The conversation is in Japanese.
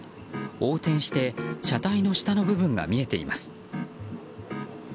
横転して車体の下の部分が見えています。